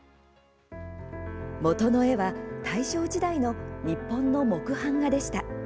もとの絵は大正時代の日本の木版画でした。